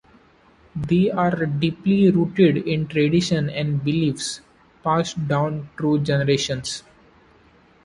They are deeply rooted in tradition and beliefs passed down through generations.